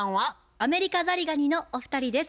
アメリカザリガニのお二人です。